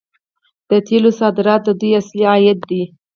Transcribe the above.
د تیلو صادرات د دوی اصلي عاید دی.